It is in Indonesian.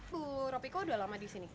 bu ropiko udah lama di sini